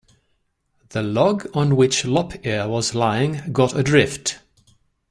The log on which Lop-Ear was lying got adrift.